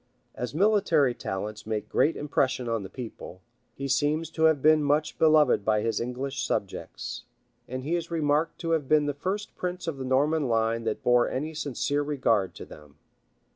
As military talents make great impression on the people, he seems to have been much beloved by his English subjects; and he is remarked to have been the first prince of the Norman line that bore any sincere regard to them.